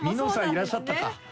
いらっしゃったか」